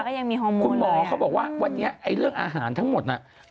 คุณหมอเขาบอกว่าวันนี้เรื่องอาหารทั้งหมดน่ะคุณหมอก็ยังมีฮอร์โมนเลย